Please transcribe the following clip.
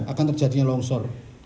akan terjadinya longsor